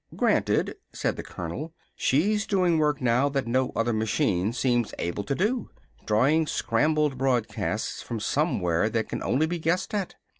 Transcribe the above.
"Granted," said the colonel. "She's doing work now that no other machine seems able to do drawing scrambled broadcasts from somewhere that can only be guessed at.